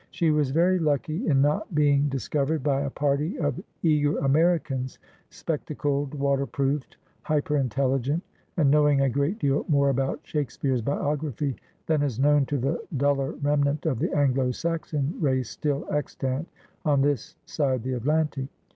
She was very lucky in net being dis covered by a party of eager Americans, spectacled, waterproofed, hyper intelligent, and knowing a great deal more about Shake speare's biography than is known to the duller remnant of the Anglo Saxon race still extant on this side the Atlantic.